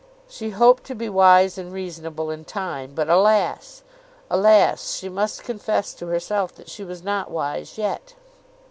She hoped to be wise and reasonable in time; but alas! alas! she must confess to herself that she was not wise yet.